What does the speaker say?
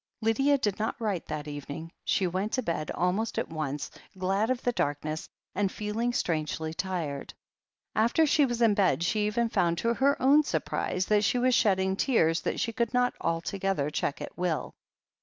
Lydia did not write that evening. She went to bed 190 THE HEEL OF ACHILLES almost at once, glad of the darkness, and feeling strangely tired. After she was in bed she even found, to her own surprise, that she was shedding tears that she could not altogether check at will.